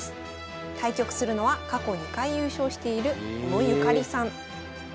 対局するのは過去２回優勝している小野ゆかりさん。